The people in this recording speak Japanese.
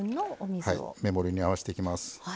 目盛りに合わせていきます。